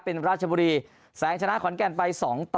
เป็นราชบุรีแสงชนะขอนแก่นไป๒ต่อ